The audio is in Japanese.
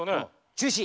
中止？